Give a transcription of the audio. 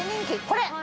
これ！